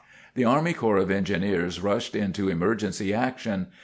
The Army Corps of Engineers rushed into emergency action.